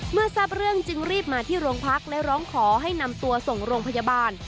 ทราบเรื่องจึงรีบมาที่โรงพักและร้องขอให้นำตัวส่งโรงพยาบาล